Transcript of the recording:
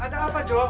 ya ada apa jo